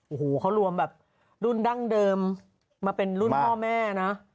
โอ้โหเขารวมแบบรุ่นดั้งเดิมมาเป็นรุ่นพ่อแม่นะ